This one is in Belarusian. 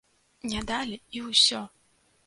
Не далі і ўсё!